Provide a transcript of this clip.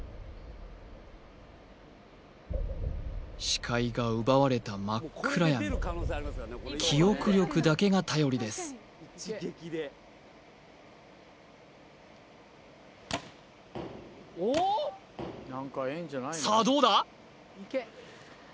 視界が奪われた真っ暗闇記憶力だけが頼りですさあどうだ？